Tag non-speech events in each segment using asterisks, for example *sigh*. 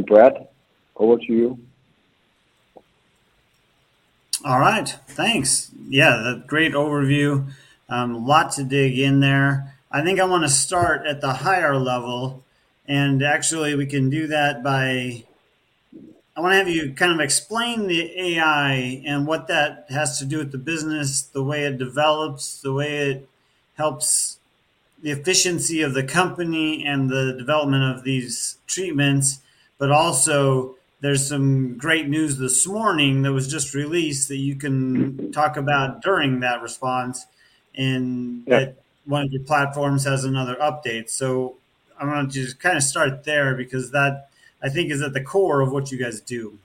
Brad, over to you. All right, thanks. Yeah, a great overview. A lot to dig in there. I think I want to start at the higher level, and actually, we can do that by I want to have you kind of explain the AI and what that has to do with the business, the way it develops, the way it helps the efficiency of the company and the development of these treatments, but also there's some great news this morning that was just released that you can talk about during that response. Yeah. And that one of your platforms has another update. I want to just kind of start there because that, I think, is at the core of what you guys do.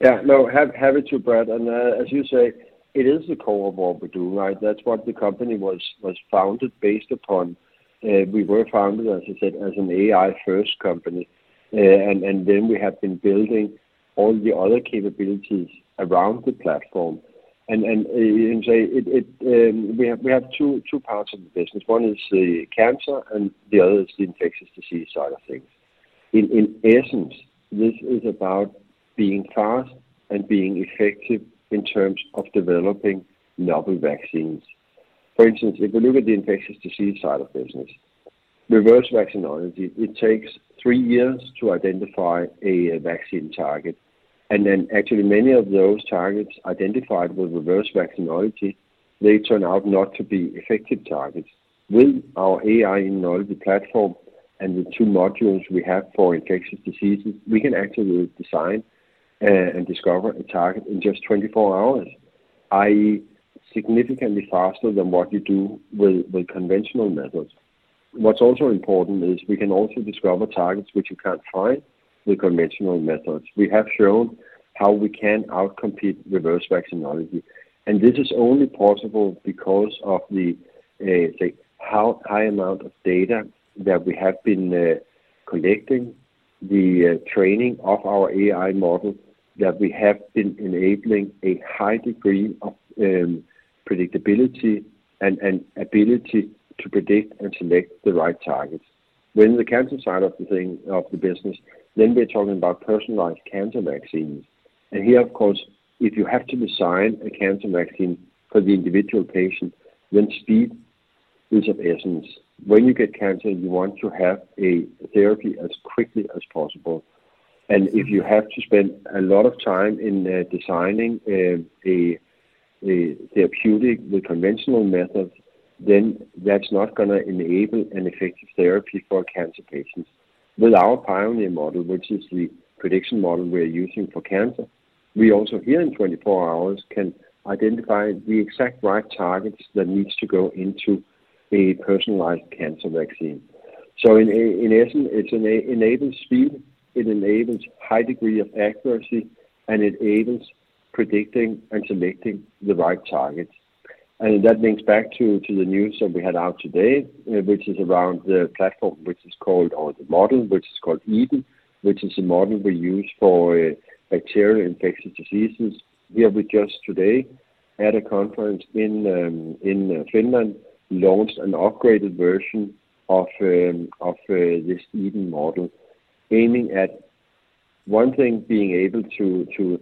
Yeah. No, happy to, Brad. And as you say, it is the core of what we do, right? That's what the company was founded based upon. We were founded, as I said, as an AI-first company, and then we have been building all the other capabilities around the platform. And as I say, we have two parts of the business. One is the cancer and the other is the infectious disease side of things. In essence, this is about being fast and being effective in terms of developing novel vaccines. For instance, if you look at the infectious disease side of business, reverse vaccinology, it takes three years to identify a vaccine target, and then actually, many of those targets identified with reverse vaccinology, they turn out not to be effective targets. With our AI immunology platform and the two modules we have for infectious diseases, we can actually design and discover a target in just 24 hours, i.e., significantly faster than what you do with conventional methods. What's also important is we can also discover targets which you can't find with conventional methods. We have shown how we can outcompete reverse vaccinology. And this is only possible because of the high amount of data that we have been collecting, the training of our AI model, that we have been enabling a high degree of predictability and ability to predict and select the right targets. Then the cancer side of the thing, of the business, then we're talking about personalized cancer vaccines. And here, of course, if you have to design a cancer vaccine for the individual patient, then speed is of essence. When you get cancer, you want to have a therapy as quickly as possible, and if you have to spend a lot of time in designing a therapeutic with conventional methods, then that's not gonna enable an effective therapy for cancer patients. With our PIONEER model, which is the prediction model we're using for cancer, we also here in 24 hours can identify the exact right targets that needs to go into a personalized cancer vaccine. So in essence, it enables speed, it enables high degree of accuracy, and it enables predicting and selecting the right targets. And that links back to the news that we had out today, which is around the platform which is called or the model which is called EDEN, which is a model we use for bacterial infectious diseases. We have just today, at a conference in Finland, launched an upgraded version of this EDEN model, aiming at one thing, being able to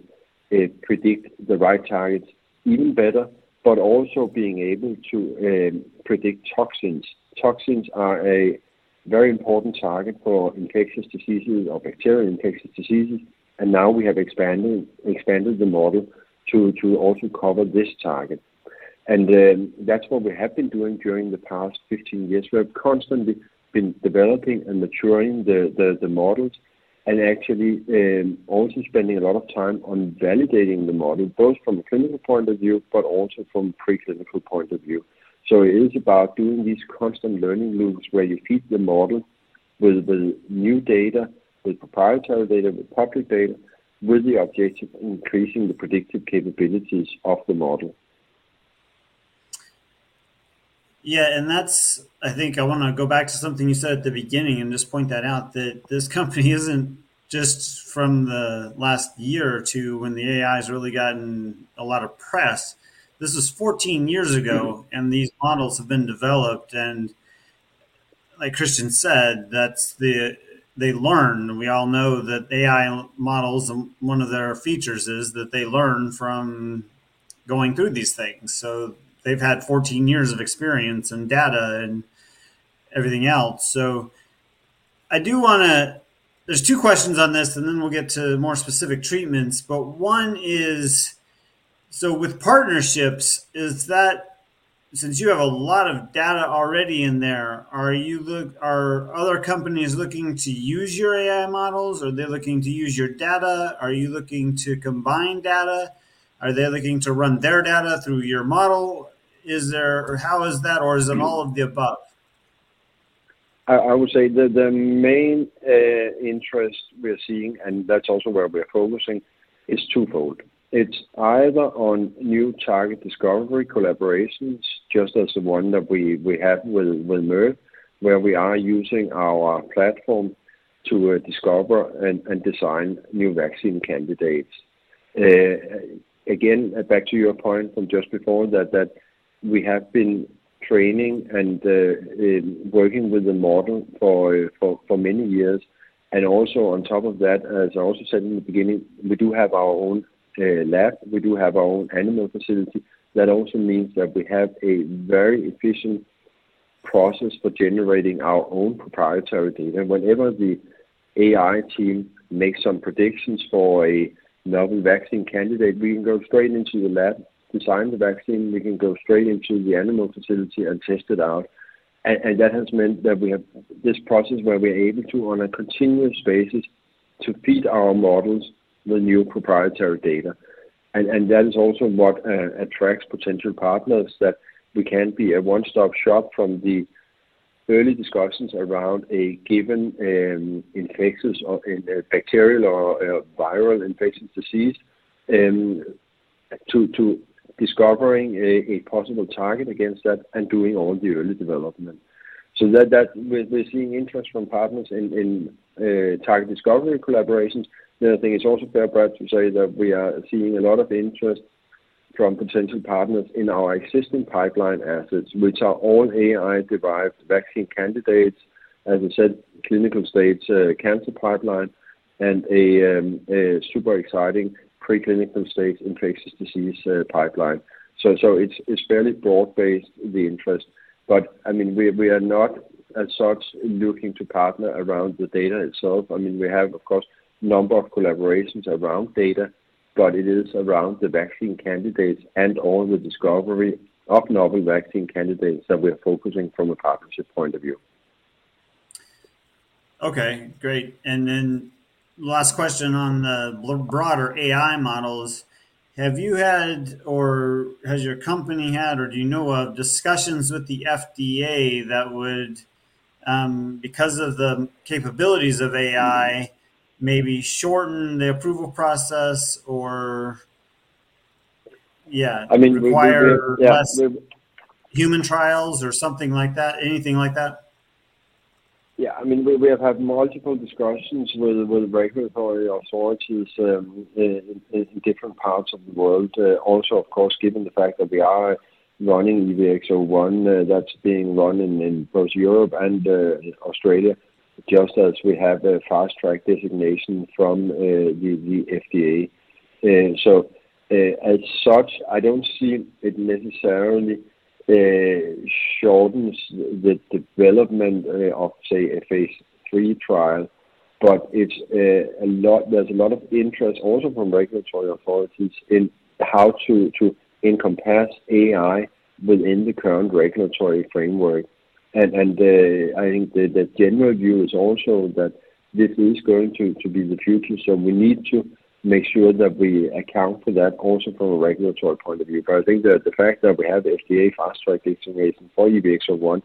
predict the right targets even better but also being able to predict toxins. Toxins are a very important target for infectious diseases or bacterial infectious diseases, and now we have expanded the model to also cover this target. That's what we have been doing during the past 15 years. We have constantly been developing and maturing the models and actually also spending a lot of time on validating the model both from a clinical point of view but also from preclinical point of view. It is about doing these constant learning loops where you feed the model with new data, with proprietary data, with public data, with the objective of increasing the predictive capabilities of the model. Yeah. And that's I think I want to go back to something you said at the beginning and just point that out, that this company isn't just from the last year or two when the AI has really gotten a lot of press. This is 14 years ago, and these models have been developed, and like Christian said, that's they learn. We all know that, AI models, one of their features is that they learn from going through these things. So they've had 14 years of experience and data and everything else, so I do wanna. There's two questions on this, and then we'll get to more specific treatments, but one is: So with partnerships, is that, since you have a lot of data already in there, are other companies looking to use your AI models? Are they looking to use your data? Are you looking to combine data? Are they looking to run their data through your model? Is there? Or how is that, or is it all of the above? I would say the main interest we're seeing, and that's also where we're focusing, is twofold. It's either on new target discovery collaborations, just as the one that we have with Merck, where we are using our platform to discover and design new vaccine candidates. Again back to your point from just before that we have been training and working with the model for many years, and also on top of that, as I also said in the beginning, we do have our own lab. We do have our own animal facility. That also means that we have a very efficient process for generating our own proprietary data. Whenever the AI team makes some predictions for a novel vaccine candidate, we can go straight into the lab, design the vaccine. We can go straight into the animal facility and test it out. And that has meant that we have this process where we are able to, on a continuous basis, to feed our models the new proprietary data. And that is also what attracts potential partners, that we can be a one-stop shop from the early discussions around a given infectious or a bacterial or a viral infectious disease to discovering a possible target against that and doing all the early development. So that, we're seeing interest from partners in target discovery collaborations. I think it's also fair, Brad, to say that we are seeing a lot of interest from potential partners in our existing pipeline assets, which are all AI-derived vaccine candidates; as I said, clinical-stage cancer pipeline; and a super exciting preclinical stage infectious disease pipeline. So it's fairly broad-based, the interest, but I mean we are not as such looking to partner around the data itself. I mean we have, of course, a number of collaborations around data, but it is around the vaccine candidates and all the discovery of novel vaccine candidates that we're focusing from a partnership point of view. Okay, great. And last question, on the broader AI models. Have you had or has your company had or do you know of discussions with the FDA that would, because of the capabilities of AI, maybe shorten the approval process or, yeah, I mean. *crosstalk* Require less human trials or something like that, anything like that? Yeah. I mean we have had multiple discussions with regulatory authorities in different parts of the world. Also, of course, given the fact that we are running EVX-01, that's being run in both Europe and in Australia, just as we have a Fast Track designation from the FDA. So as such, I don't see it necessarily shortens the development of, say, a phase III trial, but there's a lot of interest also from regulatory authorities in how to encompass AI within the current regulatory framework. I think the general view is also that this is going to be the future, so we need to make sure that we account for that also from a regulatory point of view, but I think, the fact that we have the FDA Fast Track designation for EVX-01,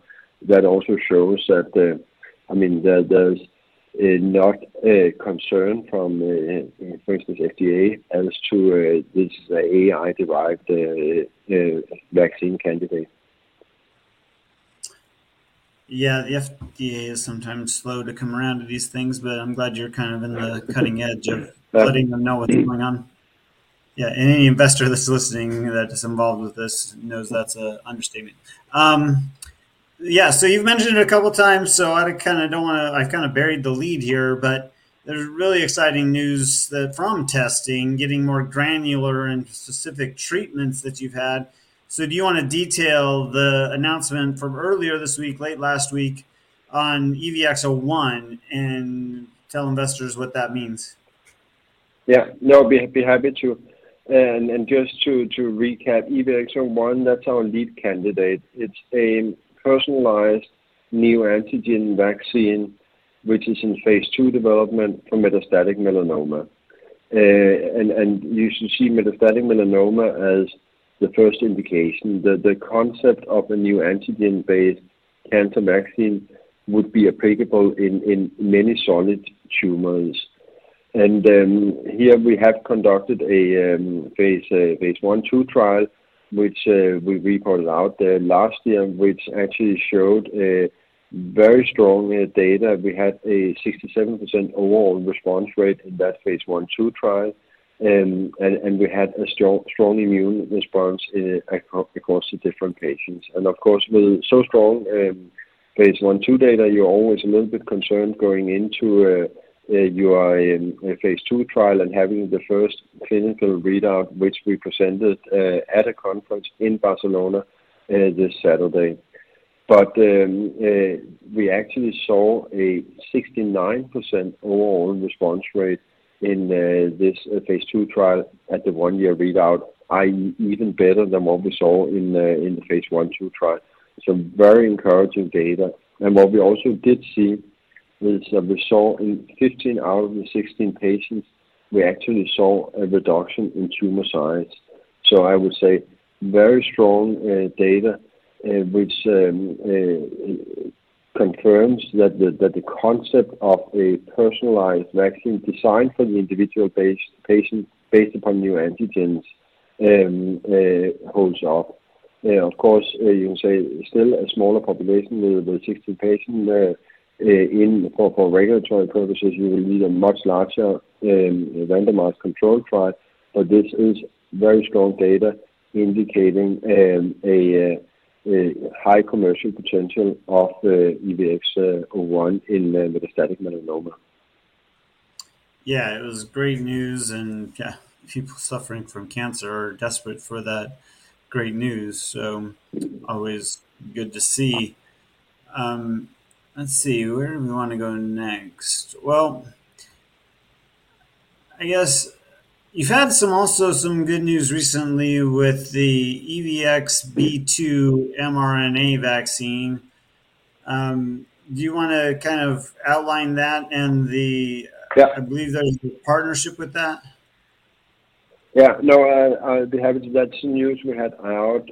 that also shows that, I mean, there's not a concern from, for instance, FDA as to this AI-derived vaccine candidate. Yeah, the FDA is sometimes slow to come around to these things, but I'm glad you're kind of in the cutting edge of letting them know what's going on, yeah. Any investor that's listening that is involved with this knows that's an understatement, yeah. So you've mentioned it a couple of times. So I kind of don't want to, I've kind of buried the lead here, but there's really exciting news that, from testing, getting more granular and specific treatments that you've had. So do you want to detail the announcement from earlier this week, late last week on EVX-01 and tell investors what that means? Yeah. No, be happy to. And just to recap, EVX-01, that's our lead candidate. It's a personalized neoantigen vaccine which is in phase II development for metastatic melanoma. And you should see metastatic melanoma, as the first indication, that the concept of a neoantigen-based cancer vaccine would be applicable in many solid tumors. And then here we have conducted a phase I/II trial, which we reported out last year, which actually showed a very strong data. We had a 67% overall response rate in that phase I/II trial. And we had a strong immune response across the different patients. Of course, with so strong phase I/II data, you're always a little bit concerned going into your phase II trial and having the first clinical readout, which we presented at a conference in Barcelona this Saturday, but we actually saw a 69% overall response rate in this phase II trial at the one-year readout, i.e., even better than what we saw in the phase I/II trial. So very encouraging data. What we also did see is that we saw, in 15 out of the 16 patients, we actually saw a reduction in tumor size. I would say, very strong data which confirms that the concept of a personalized vaccine designed for the individual patient, based upon new antigens, holds up. Of course, you can say, still a smaller population with about 16 patients. For regulatory purposes, you will need a much larger randomized controlled trial, but this is very strong data indicating a high commercial potential of the EVX-01 in metastatic melanoma. Yeah, it was great news. And yeah, people suffering from cancer are desperate for that great news, so always good to see. Let's see, where do we want to go next? Well, I guess you've had some also some good news recently with the EVX-B2 mRNA vaccine. Do you want to kind of outline that? And the Yeah. I believe there's the partnership with that. Yeah, no, I'd be happy to. That's news we had out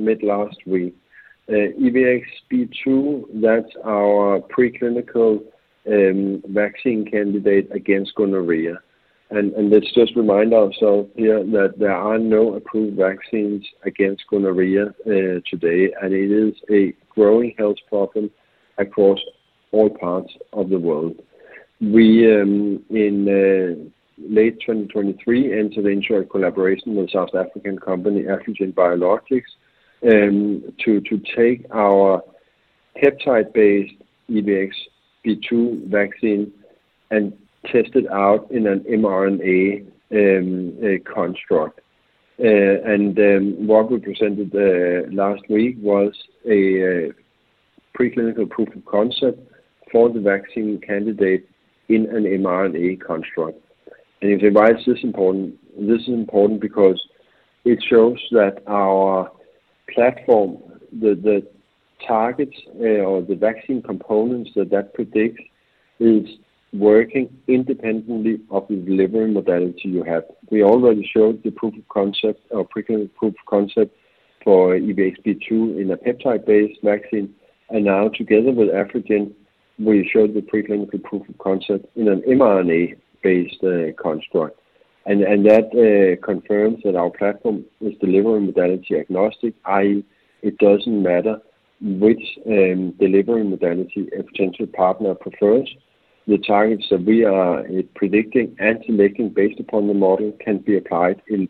mid last week. EVX-B2, that's our preclinical vaccine candidate against gonorrhea. And let's just remind ourselves here that there are no approved vaccines against gonorrhea today, and it is a growing health problem across all parts of the world. We, in late 2023, entered into a collaboration with South African company Afrigen Biologics to take our peptide-based EVX-B2 vaccine and test it out in an mRNA construct. And what we presented last week was a preclinical proof of concept for the vaccine candidate in an mRNA construct. And if you ask, why is this important? This is important because it shows that our platform, the targets, or the vaccine components that predicts, is working independently of the delivery modality you have. We already showed the proof of concept or preclinical proof of concept for EVX-B2 in a peptide-based vaccine, and now together with Afrigen, we showed the preclinical proof of concept in an mRNA-based construct. And that confirms that our platform is delivery modality agnostic, i.e., it doesn't matter which delivery modality a potential partner prefers. The targets that we are predicting and selecting based upon the model can be applied in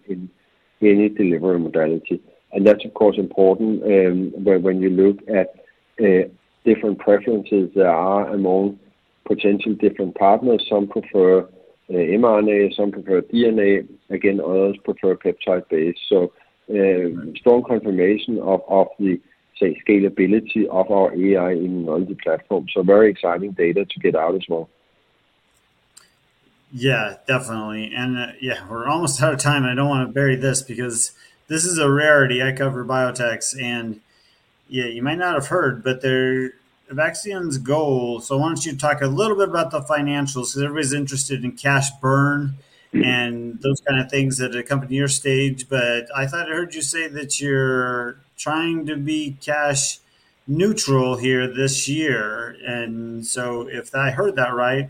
any delivery modality. And that's of course important when you look at different preferences there are among potential different partners. Some prefer mRNA. Some prefer DNA. Again, others prefer peptide-based. So, strong confirmation of the, say, scalability of our AI immunology platform. So very exciting data to get out as well. Yeah, definitely. Yeah, we're almost out of time. I don't want to bury this because this is a rarity. I cover biotechs, and you might not have heard, but Evaxion's goals. Why don't you talk a little bit about the financials? Everybody's interested in cash burn and those kind of things at a company your stage, but I thought I heard you say that you're trying to be cash neutral here this year. And so if I heard that right,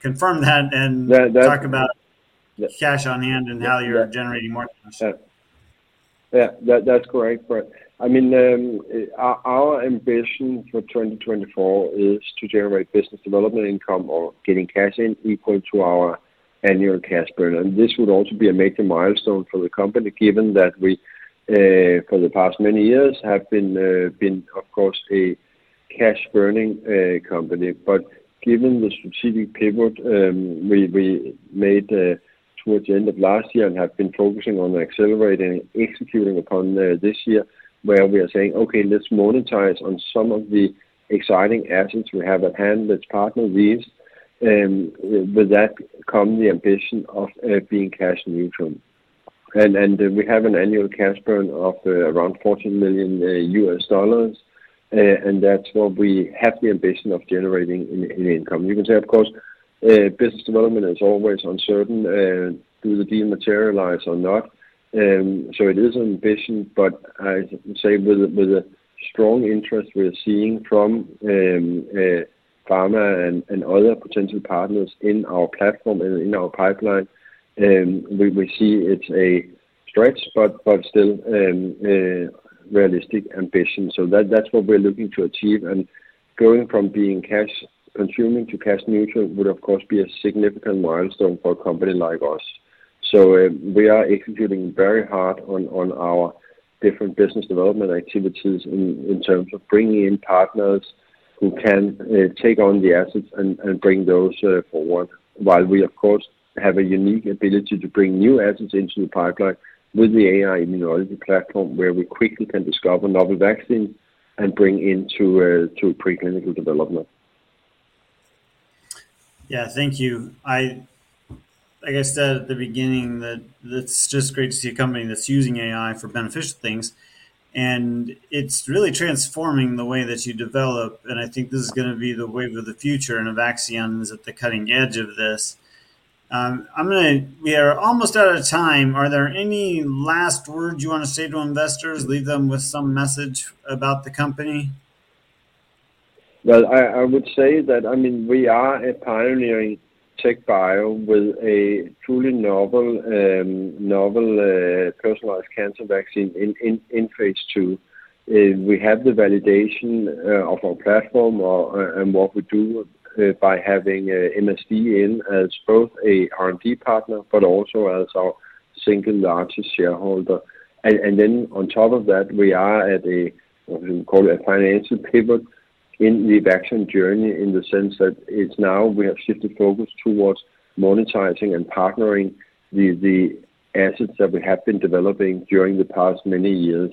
confirm that. Yeah. And talk about cash on hand and how you're generating more of it. Yeah, that's correct, but I mean our ambition for 2024 is to generate business development income or getting cash in equal to our annual cash burn. And this would also be a major milestone for the company given that we, for the past many years, have been, of course, a cash-burning company. But given the strategic pivot we made towards the end of last year and have been focusing on and accelerating and executing upon this year, where we are saying, "Okay, let's monetize on some of the exciting assets we have at hand. Let's partner these." With that come the ambition of being cash neutral. And we have an annual cash burn of around $14 million, and that's what we have the ambition of generating in income. You can say, of course, business development is always uncertain. Do the deal materialize or not? So it is an ambition, but I say, with the strong interest we're seeing from pharma and other potential partners in our platform and in our pipeline, we see it's a stretched but still realistic ambition. So that's what we're looking to achieve. And going from being cash consuming to cash neutral would, of course, be a significant milestone for a company like us. So we are executing very hard on our different business development activities in terms of bringing in partners who can take on the assets and bring those forward, while we, of course, have a unique ability to bring new assets into the pipeline with the AI immunology platform, where we quickly can discover novel vaccines and bring into preclinical development. Yeah, thank you. I, I guess, said at the beginning that it's just great to see a company that's using AI for beneficial things. And it's really transforming the way that you develop, and I think this is gonna be the wave of the future. And Evaxion is at the cutting edge of this. We are almost out of time. Are there any last words you want to say to investors, leave them with some message about the company? I would say that, I mean, we are a pioneering TechBio with a truly novel and novel personalized cancer vaccine in phase II. We have the validation of our platform and what we do by having MSD in as both a R&D partner but also as our single largest shareholder. Then on top of that, we are at what you call a financial pivot in the Evaxion journey, in the sense that it's now we have shifted focus towards monetizing and partnering the assets that we have been developing during the past many years.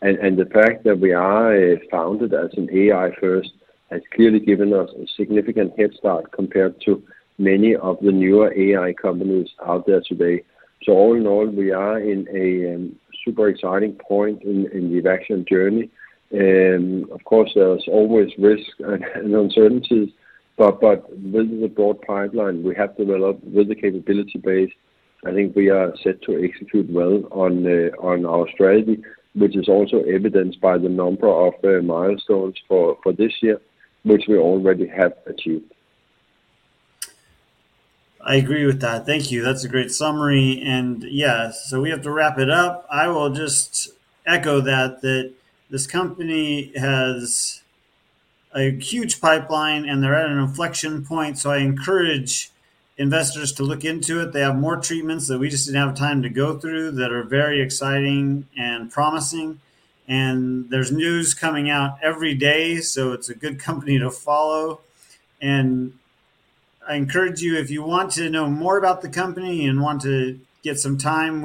The fact that we are founded as an AI first has clearly given us a significant head start compared to many of the newer AI companies out there today. All in all, we are in a super exciting point in the Evaxion journey. Of course, there's always risk and uncertainties, but with the broad pipeline we have developed, with the capability base, I think we are set to execute well on our strategy, which is also evidenced by the number of milestones for this year which we already have achieved. I agree with that. Thank you. That's a great summary, and yeah. So we have to wrap it up. I will just echo that this company has a huge pipeline. And they're at an inflection point, so I encourage investors to look into it. They have more treatments that we just didn't have time to go through that are very exciting and promising, and there's news coming out every day, so it's a good company to follow. And I encourage you, if you want to know more about the company and want to get some time,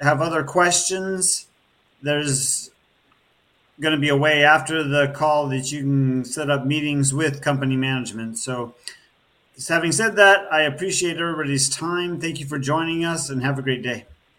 have other questions, there's gonna be a way, after the call, that you can set up meetings with company management. So having said that, I appreciate everybody's time. Thank you for joining us, and have a great day.